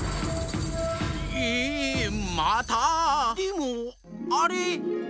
ええまた⁉でもあれ。